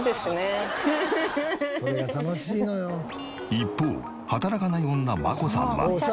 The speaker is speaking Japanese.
一方働かない女真子さんは。